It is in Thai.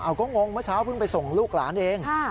เอาก็งงเมื่อเช้าเพิ่งไปส่งลูกหลานเอง